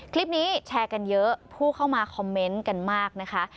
คลิปนี้แชร์กันเยอะผู้เข้ามาคอมเมนต์กันมากนะคะ